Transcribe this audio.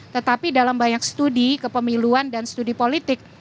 tetapi dalam banyak studi kepemiluan dan studi politik